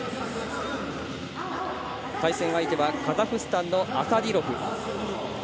対戦相手はカザフスタンのアサディロフ。